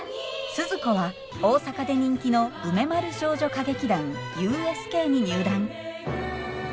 スズ子は大阪で人気の梅丸少女歌劇団ＵＳＫに入団。